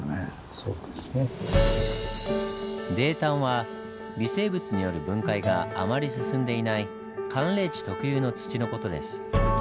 「泥炭」は微生物による分解があまり進んでいない寒冷地特有の土の事です。